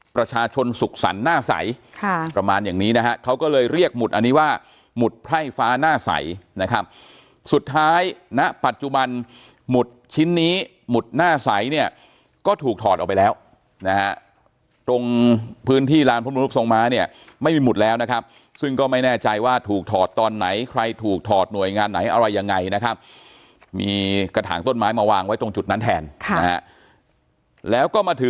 ประชาชนสุขสรรค์หน้าใสค่ะประมาณอย่างนี้นะฮะเขาก็เลยเรียกหมุดอันนี้ว่าหมุดไพร่ฟ้าหน้าใสนะครับสุดท้ายณปัจจุบันหมุดชิ้นนี้หมุดหน้าใสเนี่ยก็ถูกถอดออกไปแล้วนะฮะตรงพื้นที่ลานพระมรุษทรงม้าเนี่ยไม่มีหุดแล้วนะครับซึ่งก็ไม่แน่ใจว่าถูกถอดตอนไหนใครถูกถอดหน่วยงานไหนอะไรยังไงนะครับมีกระถางต้นไม้มาวางไว้ตรงจุดนั้นแทนค่ะนะฮะแล้วก็มาถือ